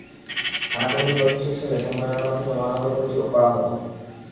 থানা কমিটি গঠন শেষ হলে সম্মেলনের মাধ্যমে মহানগর কমিটি করা হতো।